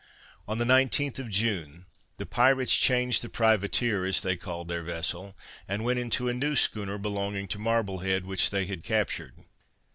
On the 19th of June, the pirates changed the privateer, as they called their vessel, and went into a new schooner belonging to Marblehead, which they had captured.